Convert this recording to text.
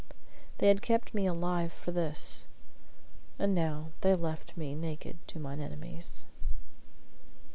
They had kept me alive for this. And now they left me naked to mine enemies.